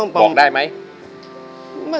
บอกได้ไหม